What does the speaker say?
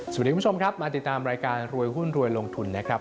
คุณผู้ชมครับมาติดตามรายการรวยหุ้นรวยลงทุนนะครับ